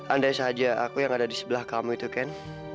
andai saja aku yang ada di sebelah kamu itu kan